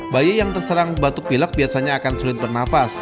bayi yang terserang batuk pilek biasanya akan sulit bernafas